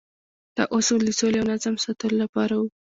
دا اصول د سولې او نظم د ساتلو لپاره وو.